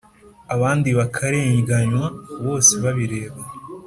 abandi bakarenganywa.bose babireba